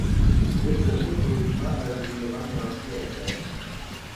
بىر ئوقۇپ قويۇشقا ئەرزىيدىغان ياخشى ئەسەر.